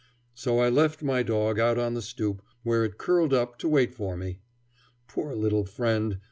So I left my dog out on the stoop, where it curled up to wait for me. Poor little friend!